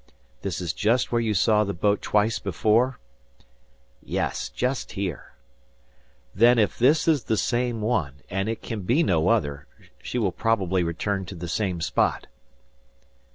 "This is just where you saw the boat twice before?" "Yes, just here." "Then if this is the same one, and it can be no other, she will probably return to the same spot."